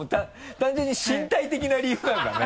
単純に身体的な理由なんだね。